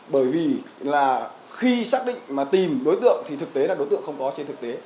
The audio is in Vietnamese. bởi vì là khi xác định mà tìm đối tượng thì thực tế là đối tượng không có trên thực tế